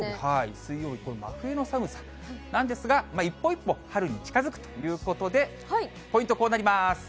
水曜日、今度真冬の寒さなんですが、一歩一歩春に近づくということで、ポイント、こうなります。